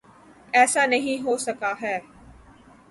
ایسا نہیں ہو سکا ہے۔